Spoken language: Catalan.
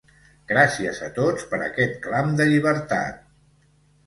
Gràcies a tots per aquest clam de llibertat!